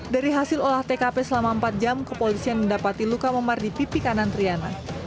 dari hasil olah tkp selama empat jam kepolisian mendapati luka memar di pipi kanan triana